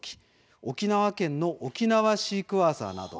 沖縄県の「沖縄シークヮーサー」など。